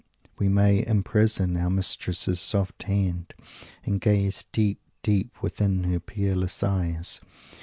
We may "imprison our mistress's soft hand, and gaze, deep, deep, within her peerless eyes."